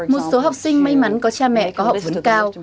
một số học sinh may mắn có cha mẹ có học vấn cao